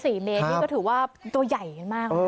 ๔เมตรนี่ก็ถือว่าตัวใหญ่มาก